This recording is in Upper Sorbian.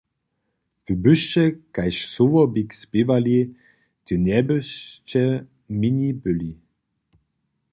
Wy byšće kaž sołobik spěwali, hdy njebyšće němi byli.